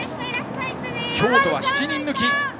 京都は７人抜き！